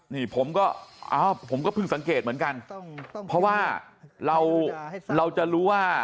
นี่ผมก็เพิ่งสังเกตเหมือนกันเพราะว่าเราเราจะรู้ว่า